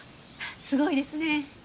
すごいですね！